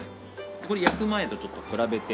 ここで焼く前とちょっと比べて。